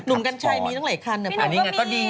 หนุ่มกันใช่มีทั้งหลายคันอ่ะพี่หนุ่มก็มี